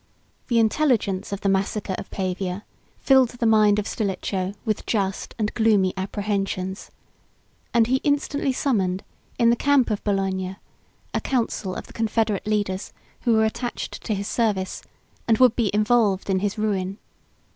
The intelligence of the massacre of Pavia filled the mind of Stilicho with just and gloomy apprehensions; and he instantly summoned, in the camp of Bologna, a council of the confederate leaders, who were attached to his service, and would be involved in his ruin.